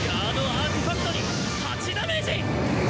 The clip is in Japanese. アーティファクトに８ダメージ！